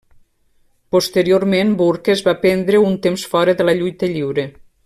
Posteriorment Burke es va prendre un temps fora de la lluita lliure.